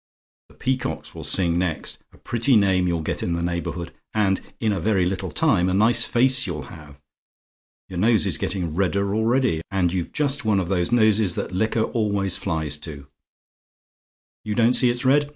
The peacocks will sing next. A pretty name you'll get in the neighbourhood; and, in a very little time, a nice face you'll have. Your nose is getting redder already: and you've just one of the noses that liquor always flies to. YOU DON'T SEE IT'S RED?